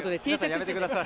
やめてください。